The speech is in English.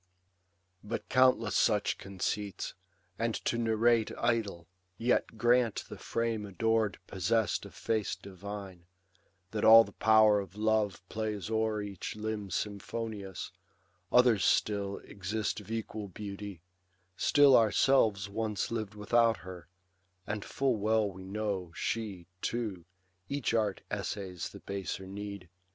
But countless such conceits, and to narrate Idle ; yet grant the frame ador'd possess'd Of face divine, that all the power of love Plays o'er each limb symphonious, others still Exist of equal beauty ; still ourselves Once liv'd without her ; and full well we know She, too, each art essays the baser need.